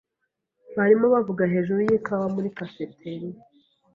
Barimo bavuga hejuru yikawa muri cafeteria.